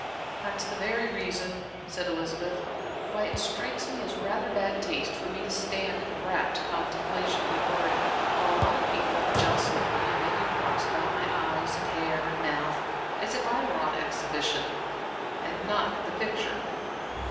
"That's the very reason," said Elizabeth, "why it strikes me as rather bad taste for me to stand in rapt contemplation before it, while a lot of people are jostling me, and making remarks about my eyes, and hair, and mouth, as if it were I on exhibition, and not Mr. 's picture."